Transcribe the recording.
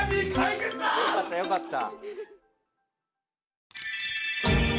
よかったよかった。